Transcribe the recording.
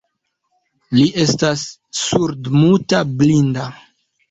Li estas surdmuta blinda.